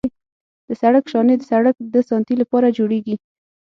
د سړک شانې د سړک د ساتنې لپاره جوړیږي